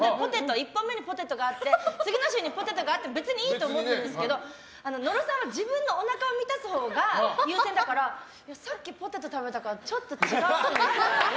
１本目にポテトがあって次のシーンにもポテトがあっても別にいいと思ってるんですけど野呂さんは自分のおなかを満たすほうが優先だからさっきポテト食べたからちょっと違うのいこうかな？